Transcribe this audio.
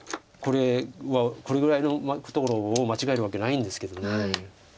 これはこれぐらいのところを間違えるわけないんですけど。